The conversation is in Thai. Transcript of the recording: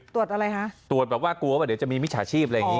ตรวจแบบว่ากลัวว่าเหมือนจะมีมิจฉาชีพ